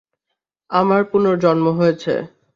আমার পুনর্জন্ম হয়েছে!